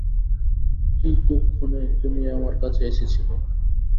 কী কুক্ষণে তুমি আমার কাছে এসেছিলে।